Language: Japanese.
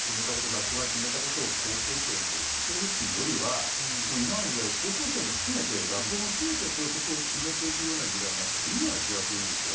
学校が決めたことを高校生に押しつけるっていうよりはもう今の時代高校生も含めて、学校も含めて校則を決めていくような時代になってもいいような気がするんですよ。